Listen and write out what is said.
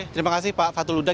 terima kasih pak fatul huda